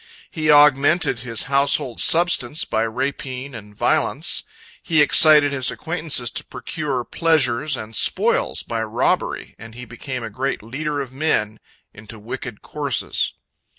He augmented his household substance by rapine and violence; he excited his acquaintances to procure pleasures and spoils by robbery, and he became a great leader of men into wicked courses.